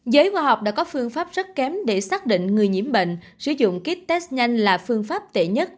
giới khoa học đã có phương pháp rất kém để xác định người nhiễm bệnh sử dụng kit test nhanh là phương pháp tệ nhất